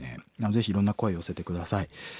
ぜひいろんな声寄せて下さい。